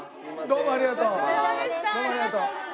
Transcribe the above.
どうもありがとう。